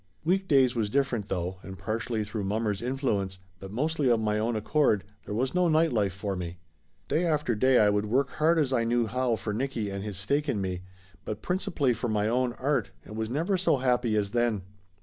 Week days was different, though, and partially through mommer's influence, but mostly of my own accord, there was no night life for me. Day after day I would work hard as I knew how for Nicky and his Laughter Limited 207 stake in me, but principally for my own art, and was never so happy as then.